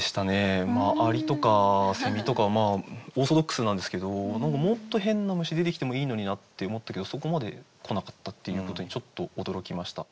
蟻とかセミとかオーソドックスなんですけどもっと変な虫出てきてもいいのになって思ったけどそこまで来なかったっていうことにちょっと驚きました。